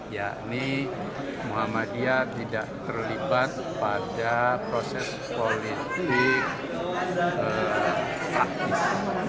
yakni muhammadiyah tidak terlibat pada proses politik praktis